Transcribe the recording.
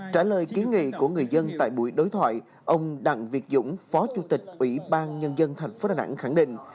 trả lời ký nghị của người dân tại buổi đối thoại ông đặng việt dũng phó chủ tịch ủy ban nhân dân thành phố đà nẵng khẳng định